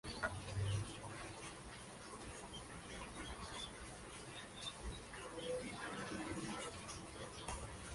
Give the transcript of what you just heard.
El instigador de su asesinato nunca se descubrió.